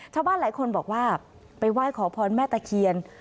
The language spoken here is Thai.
ชาวบ้านหลายคนบอกว่าไปไหว้ขอพรแม่ตะเคียน